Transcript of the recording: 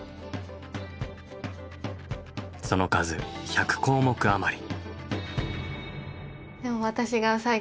その数１００項目余り。